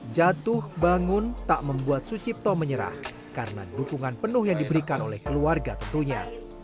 jatuh bangun tak membuat sucipto menyerah karena dukungan penuh yang diberikan oleh keluarga tentunya